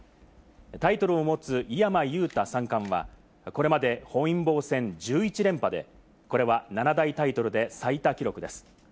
タイトルを持つ井山裕太三冠はこれまで本因坊戦１１連覇で、これは７大タイトルで最多記録です。